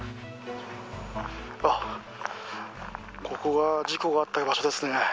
あっ、ここが事故があった場所ですね。